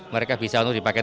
mereka bisa untuk dipakai